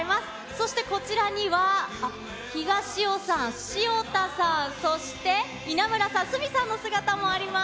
そしてこちらには、東尾さん、潮田さん、そして稲村さん、鷲見さんの姿もあります。